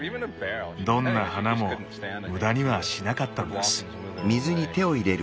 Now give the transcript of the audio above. どんな花も無駄にはしなかったんです。